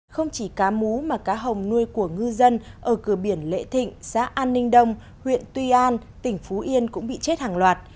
không chỉ cá mú mà cá hồng nuôi của ngư dân ở cửa biển lễ thịnh xã an ninh đông huyện tuy an tỉnh phú yên cũng bị chết hàng loạt